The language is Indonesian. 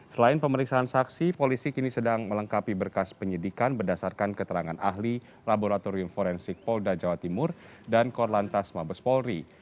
selain pemeriksaan saksi polisi kini sedang melengkapi berkas penyidikan berdasarkan keterangan ahli laboratorium forensik polda jawa timur dan korlantas mabes polri